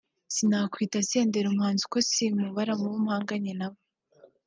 sinakwita Senderi umuhanzi kuko simubara mu bo mpanganye na bo